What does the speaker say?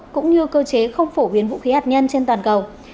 cũng như cơ chế không phổ biến vũ khí hạt nhân trên toàn cầu